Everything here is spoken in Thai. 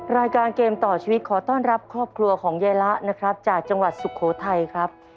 รายการเกมต่อชีวิตขอต้อนรับครอบครัวของยายละนะครับจากจังหวัดสุโขทัยครับ